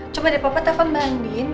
coba deh papa telepon bandin